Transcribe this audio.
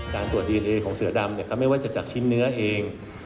ตรวจดีเอนเอของเสือดำไม่ว่าจะจากชิ้นเนื้อเอง